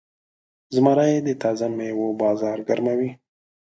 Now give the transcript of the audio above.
زمری د تازه میوو بازار ګرموي.